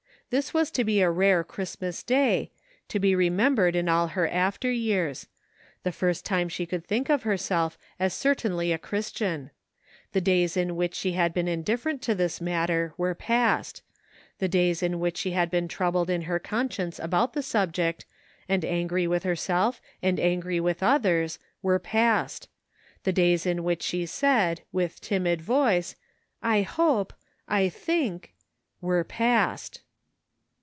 This was to be a rare Christmas Day, to be remembered in all her after years; the first time she could think of herself as certainly a Christian. The days in which she had been indifferent to this matter were past; the days in which "she had been troubled in her con science about the subject, and angry with her self and angry with others were past ; the days in which she said, with timid voice, *'I hope," I think," were past.